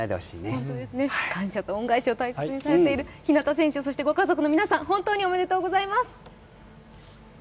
感謝と恩返しを大切にしている日當選手、そしてご家族の皆さん、本当におめでとうございます。